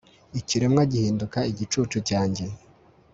ikiremwa gihinduka igicucu cyanjye